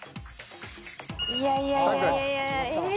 いやいやいやええ。